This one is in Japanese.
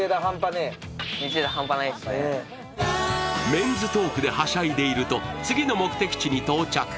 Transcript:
メンズトークではしゃいでいると次の目的地に到着。